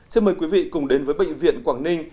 xin mời quý vị cùng đến với bệnh viện quảng ninh